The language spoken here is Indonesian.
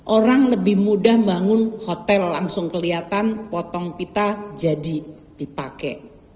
orang lebih mudah bangun hotel langsung kelihatan potong pita jadi dipakai